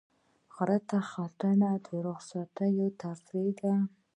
غره ختنه د رخصتیو تفریح ده.